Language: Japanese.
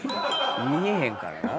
見えへんからな。